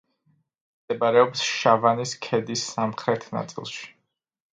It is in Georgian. მდებარეობს შავანის ქედის სამხრეთ ნაწილში.